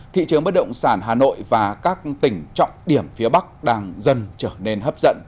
thị trường bất động sản hà nội và các tỉnh trọng điểm phía bắc đang dần trở nên hấp dẫn